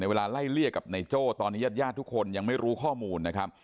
เวลาไล่เลี่ยกับนายโจ้ตอนนี้ญาติญาติทุกคนยังไม่รู้ข้อมูลนะครับ